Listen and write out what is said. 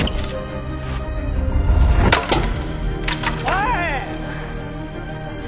おい！